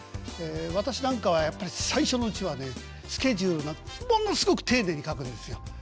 私なんかはやっぱり最初のうちはねスケジュールがものすごく丁寧に書くんですよ。